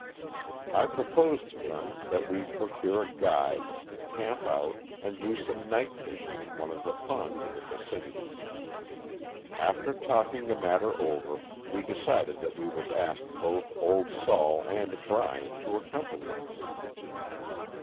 I proposed to them that we procure a guide, camp out and do some night fishing in one of the ponds in the vicinity. After talking the matter over we decided that we would ask both "Old Sol" and Bryan to accom pany us.